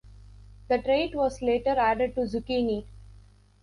The trait was later added to zucchini.